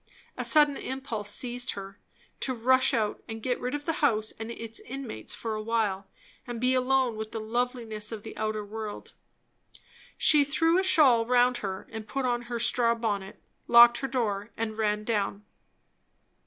A sudden impulse seized her, to rush out and get rid of the house and its inmates for a while, and be alone with the loveliness of the outer world. She threw a shawl round her, put on her straw bonnet, locked her door, and ran down.